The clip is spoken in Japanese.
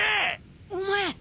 お前。